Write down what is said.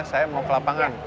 saya mau ke lapangan